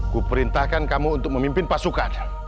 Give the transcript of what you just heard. kuperintahkan kamu untuk memimpin pasukan